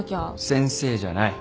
先生じゃない。